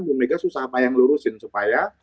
bu mega susah payang lurusin supaya